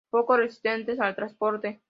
Poco resistentes al transporte.